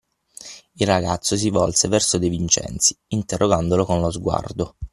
Il ragazzo si volse verso De Vincenzi, interrogandolo con lo sguardo.